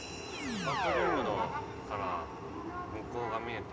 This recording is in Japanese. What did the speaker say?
アトリウムから向こうが見えて。